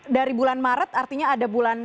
dari bulan maret artinya ada bulan